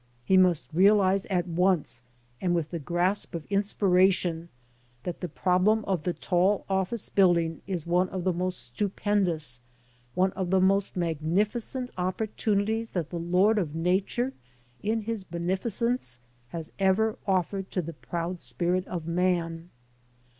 He must realize at once and with the grasp of inspiration that the problem of the tall office building is one of the most stupendous, one of the most magnificent opportunities that the Lord of Nature in His beneficence has ever offered to the proud spirit of man.